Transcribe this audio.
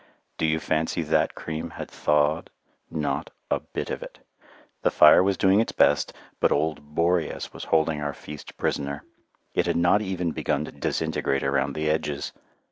Do you fancy that cream had thawed? Not a bit of it. The fire was doing its best, but old Boreas was holding our feast prisoner. It had not even begun to disintegrate around the edges.